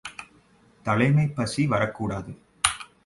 தலைமைப் பசி வரக்கூடாது!